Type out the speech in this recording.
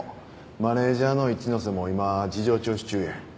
マネジャーの一ノ瀬も今事情聴取中や。